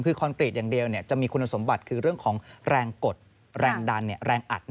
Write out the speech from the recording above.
คือคอนกรีตอย่างเดียวจะมีคุณสมบัติคือเรื่องของแรงกดแรงดันแรงอัด